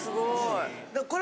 これ。